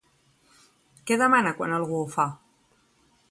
Què demana quan algú ho fa?